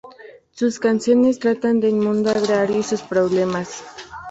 Sus canciones tratan del mundo agrario y sus problemas.